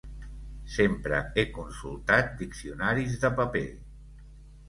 Sempre he consultat diccionaris de paper.